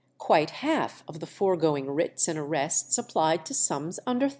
Quite half of the foregoing writs and arrests applied to sums under £30.